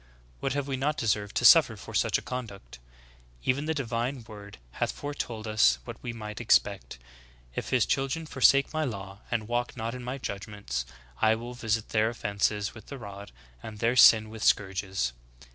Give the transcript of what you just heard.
What have we not deserved to suffer for such a conduct? Even the divine word hath foretold us what we might expect. — *if his children forsake my law, and walk not in my judg ments, I will visit their offenses with the rod, and their sin with scourges.'